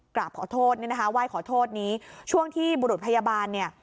กราบขอโทษนี่นะคะไหว้ขอโทษนี้ช่วงที่บุรุษพยาบาลเนี่ย